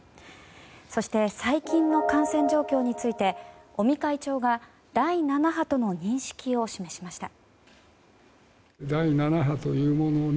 そして最近の感染状況について尾身会長が第７波との認識を示しました。